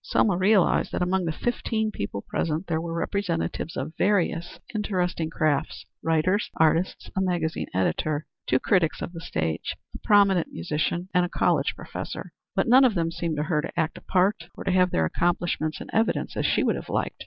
Selma realized that among the fifteen people present there were representatives of various interesting crafts writers, artists, a magazine editor, two critics of the stage, a prominent musician, and a college professor but none of them seemed to her to act a part or to have their accomplishments in evidence, as she would have liked.